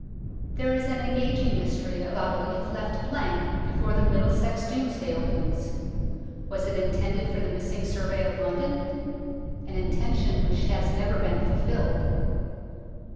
There is an engaging mystery about a leaf left blank before the Middlesex Domesday opens. Was it intended for the missing survey of London ? an intention which has never been fulfilled.